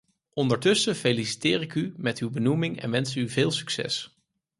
Ondertussen feliciteer ik u met uw benoeming en wens u veel succes.